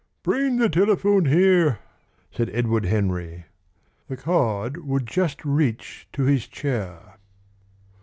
"Bring the telephone here," said Edward Henry. The cord would just reach to his chair.